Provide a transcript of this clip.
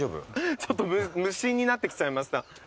ちょっと無心になってきちゃいました。